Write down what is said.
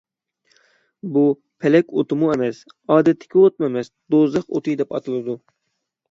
بۇ، پەلەك ئوتىمۇ ئەمەس، ئادەتتىكى ئوتمۇ ئەمەس، «دوزاخ ئوتى» دەپ ئاتىلىدۇ.